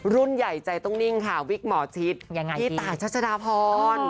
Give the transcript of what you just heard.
รุ่นใหญ่ใจต้องนิ่งค่ะวิกหมอชิดพี่ตายชัชดาพร